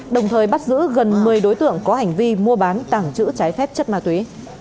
đồng thời bắt giữ gần một mươi đối tượng có hành vi mua bán tảng chữ trái phép chất ma túy